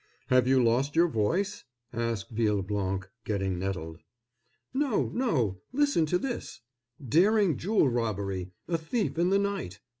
"Have you lost your voice?" asked Villeblanc, getting nettled. "No, no; listen to this—'Daring Jewel Robbery. A Thief in the Night.